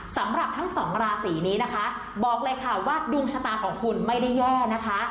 สำหรับทั้งสองราศีนี้นะคะบอกเลยค่ะว่าดวงชะตาของคุณไม่ได้แย่นะคะ